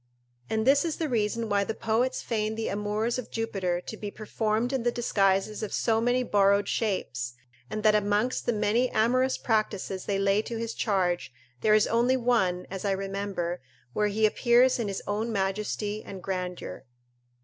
And this is the reason why the poets feign the amours of Jupiter to be performed in the disguises of so many borrowed shapes, and that amongst the many amorous practices they lay to his charge, there is only one, as I remember, where he appears in his own majesty and grandeur.